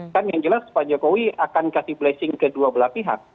kan yang jelas pak jokowi akan kasih blessing ke dua belah pihak